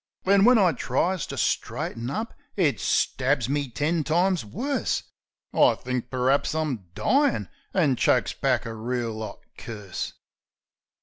Then, when I tries to straighten up, it stabs me ten times worse. I thinks per'aps I'm dyin', an' chokes back a reel 'ot curse.